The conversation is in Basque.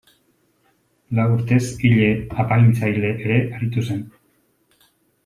Lau urtez ile-apaintzaile ere aritu zen.